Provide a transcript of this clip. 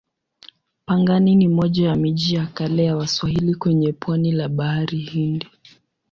Pangani ni moja ya miji ya kale ya Waswahili kwenye pwani la Bahari Hindi.